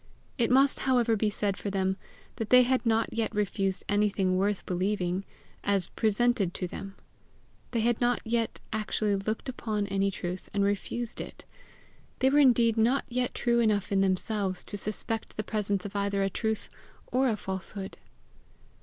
It must, however, be said for them, that they had not yet refused anything worth believing as presented to them. They had not yet actually looked upon any truth and refused it. They were indeed not yet true enough in themselves to suspect the presence of either a truth or a falsehood.